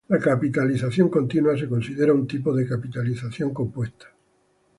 La capitalización continua se considera un tipo de capitalización compuesta.